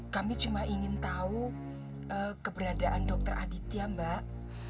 kami cuma ingin tahu keberadaan dokter aditya mbak